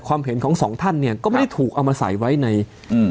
เห็นของสองท่านเนี้ยก็ไม่ได้ถูกเอามาใส่ไว้ในอืม